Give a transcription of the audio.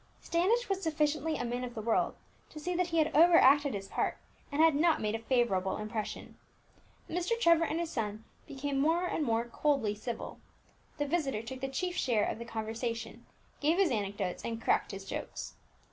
Standish was sufficiently a man of the world to see that he had overacted his part, and had not made a favourable impression. Mr. Trevor and his son became more and more coldly civil. The visitor took the chief share of the conversation, gave his anecdotes, and cracked his jokes.